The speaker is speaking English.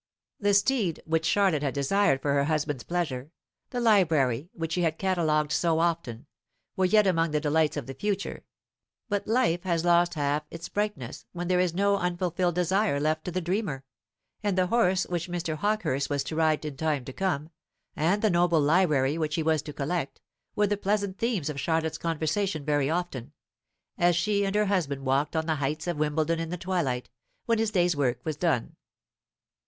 The steed which Charlotte had desired for her husband's pleasure, the library which she had catalogued so often, were yet among the delights of the future; but life has lost half its brightness when there is no unfulfilled desire left to the dreamer; and the horse which Mr. Hawkehurst was to ride in time to come, and the noble library which he was to collect, were the pleasant themes of Charlotte's conversation very often, as she and her husband walked on the heights of Wimbledon in the twilight, when his day's work was done.